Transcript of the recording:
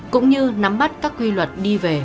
cũng như nắm bắt các quy luật đi về